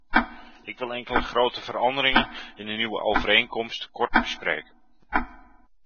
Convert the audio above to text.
Ik wil enkele grote veranderingen in de nieuwe overeenkomst kort bespreken.